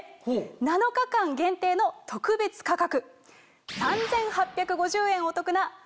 ７日間限定の特別価格。